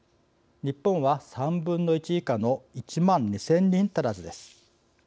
日本は３分の１以下の１万２０００人足らずです。